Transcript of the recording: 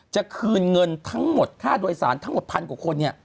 จะคืนเงินทั้งหมดค่าโดยสารทั้งหมดพันกว่าคน